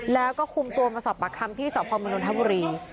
แล้วก็คุมตัวมาสอบประคัมที่สอบความมนุธบุรี